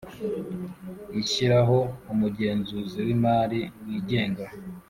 ishyiraho umugenzuzi w imari wigenga